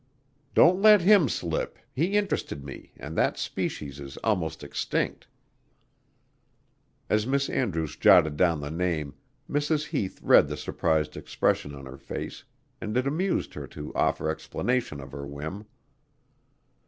Don't let him slip he interested me and that species is almost extinct." As Miss Andrew jotted down the name, Mrs. Heath read the surprised expression on her face, and it amused her to offer explanation of her whim.